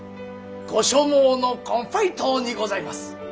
ご所望のコンフェイトにございます！